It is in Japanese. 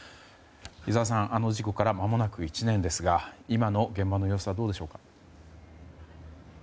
井澤さん、あの事故から間もなく１年ですが今の現場の様子はどうでしょうか。